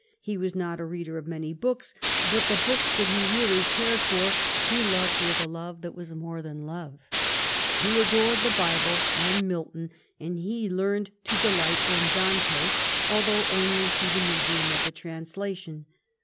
He was not a reader of many books, but the books that he really cared for he "loved with a love that was more than love." He adored the Bible and Milton, and he learned to delight in Dante, although only through the medium of a translation.